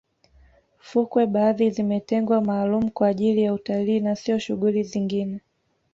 fukwe baadhi zimetengwa maalumu kwa ajili ya utalii na siyo shughuli zingine